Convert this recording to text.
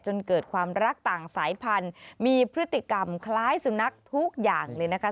จนเกิดความรักต่างสายพันธุ์มีพฤติกรรมคล้ายสุนัขทุกอย่างเลยนะคะ